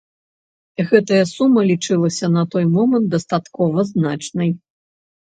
Гэтая сума лічылася на той момант дастаткова значнай.